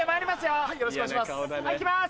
よろしくお願いします。